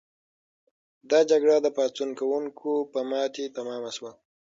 دا جګړه د پاڅون کوونکو په ماتې تمامه شوه.